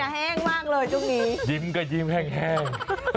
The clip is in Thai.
ยิ้มเดือนก็แห้งมากเลยช่วงนี้ยิ้มก็ยิ้มแห้ง